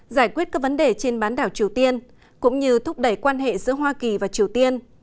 giải quyết các vấn đề trên bán đảo triều tiên cũng như thúc đẩy quan hệ giữa hoa kỳ và triều tiên